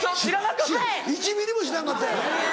１ｍｍも知らんかったよ。